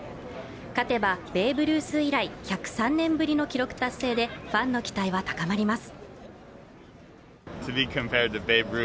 勝てばベーブ・ルース以来１０３年ぶりの記録達成でファンの期待は高まります。